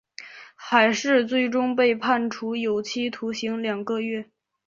海氏最终被判处有期徒刑两个月。